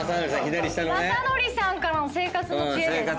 まさのりさんからの生活の知恵です。